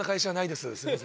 すいません。